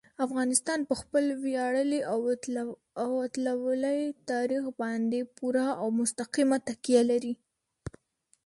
افغانستان په خپل ویاړلي او اتلولۍ تاریخ باندې پوره او مستقیمه تکیه لري.